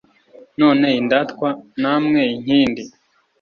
None Indatwa namwe Inkindi